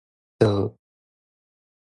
都